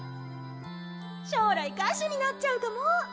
将来歌手になっちゃうかも！